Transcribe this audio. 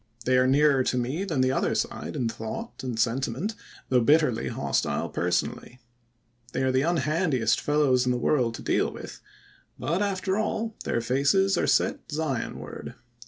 They are nearer to me than the other side in thought and sentiment, though bit terly hostile personally. They are the unhandiest fellows in the world to deal with; but after all Dia^y. their faces are set Zionward."